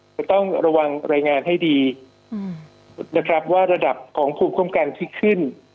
จะต้องระวังรายงานให้ดีนะครับว่าระดับของภูมิคุ้มกันที่ขึ้น